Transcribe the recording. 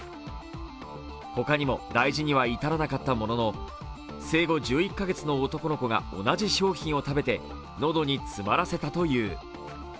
他にも大事には至らなかったものの生後１１カ月の男の子が同じ商品を食べて、喉に詰まらせたという。